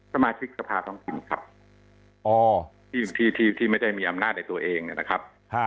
สมาชิกสภาท้องถิ่นครับที่ไม่ได้มีอำนาจในตัวเองนะครับ